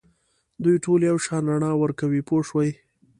دوی ټول یو شان رڼا ورکوي پوه شوې!.